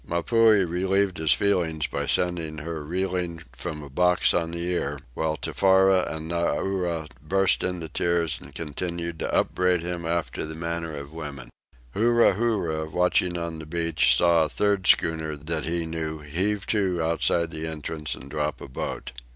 Mapuhi relieved his feelings by sending her reeling from a box on the ear; while Tefara and Nauri burst into tears and continued to upbraid him after the manner of women. Huru Huru, watching on the beach, saw a third schooner that he knew heave to outside the entrance and drop a boat.